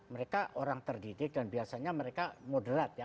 mereka orang terdidik dan biasanya mereka moderat ya